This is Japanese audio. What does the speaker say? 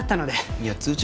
いや通知